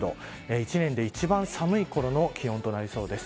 一年で一番寒いころの気温となりそうです。